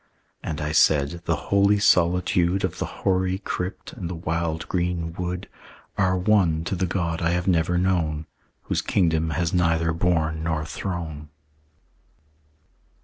And I said, "The holy solitude Of the hoary crypt and the wild green wood "Are one to the God I have never known, Whose kingdom has neither bourn nor throne."